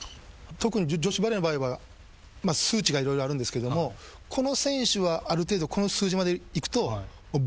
特に女子バレーの場合は数値が色々あるんですけどもこの選手はある程度この数字までいくとＶ字回復しない選手